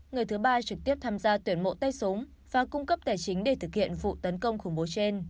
người thứ ba trực tiếp tham gia tuyển mộ tay súng và cung cấp tài chính để thực hiện vụ tấn công khủng bố trên